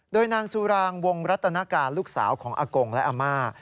โดยนางสุรางวงรัตนการลูกสาวของอากงและอาม่า